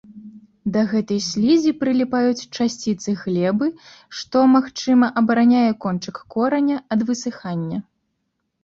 Да гэтай слізі прыліпаюць часціцы глебы, што, магчыма, абараняе кончык кораня ад высыхання.